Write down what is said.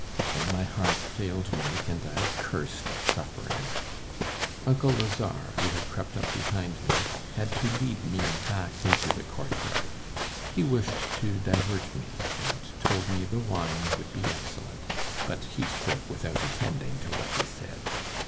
Then my heart failed me, and I cursed suffering. Uncle Lazare, who had crept up behind me, had to lead me back into the courtyard. He wished to divert me, and told me the wine would be excellent; but he spoke without attending to what he said.